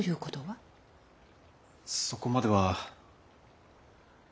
そこまでは。